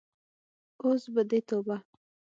اوس به دې توبه.